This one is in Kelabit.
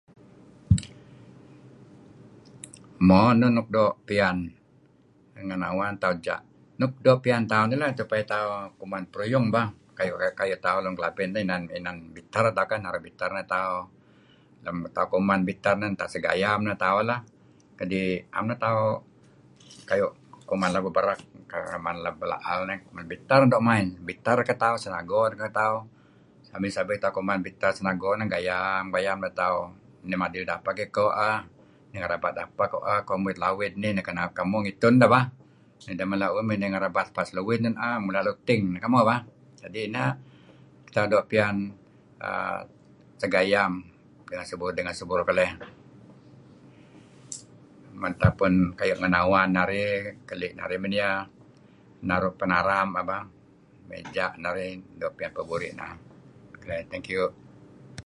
Mo nun nuk doo' piyan ngen awan atau ja' nuk doo' piyan tuh iah lah supaya tauh kuman peruyung bah. Kayu' tauh Lun Kelabit nih man inan biter deh tak naru' biter neh tauh lem tauh kuman nan tauh segayam neh tauh lah kadi am neh tauh kayu' kuman labo berek kayu' labo laal biter doo' main. Tak ketau seago teh ken tauh emey sago kuman biter senago segayam-gayam neh tauh neh madih dapeh iko ah? May ngerabat apah iko ah? Ngapeh iko muit lawid nih pah ko ngitun rabat se lawid ko naah? May naru' luting kemuh bah kadi' nah tauh doo' piyan uhm segayam seburur dengan seburur keleh. mentah pun keli' narih suk aan doo' piyan naru' penyaram ja'. Thank you.